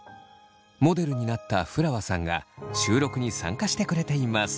モデルになったふらわさんが収録に参加してくれています。